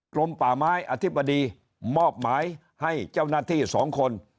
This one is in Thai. ลมป่าไม้อธิบดีมอบหมายให้เจ้าหน้าที่๒คน